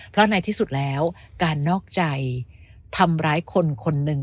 เพราะในที่สุดแล้วการนอกใจทำร้ายคนคนหนึ่ง